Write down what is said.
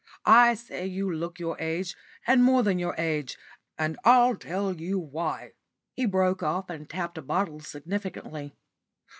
I say you look your age, and more than your age; and I'll tell you why " He broke off and tapped a bottle significantly.